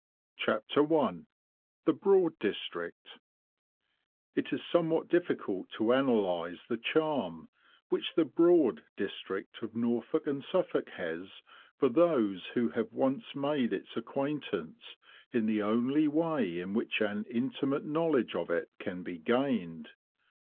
[Picture: Decorative drop capital] It is somewhat difficult to analyse the charm which the "Broad" District of Norfolk and Suffolk has for those who have once made its acquaintance in the only way in which an intimate knowledge of it can be gained.